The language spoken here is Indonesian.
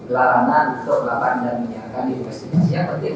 larangan untuk lapangan dan menyiapkan investigasi yang penting